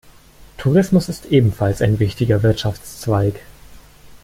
Tourismus ist ebenfalls ein wichtiger Wirtschaftszweig.